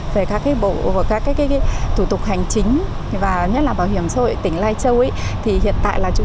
về các bộ và các tủ tục hành chính và nhất là bảo hiểm xã hội tỉnh lai châu